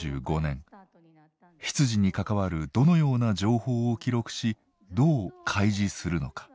出自に関わるどのような情報を記録しどう開示するのか。